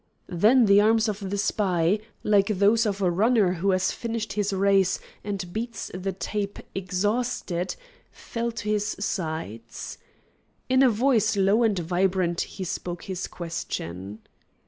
Then the arms of the spy, like those of a runner who has finished his race and breasts the tape exhausted, fell to his sides. In a voice low and vibrant he spoke his question.